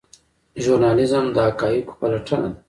ژورنالیزم د حقایقو پلټنه ده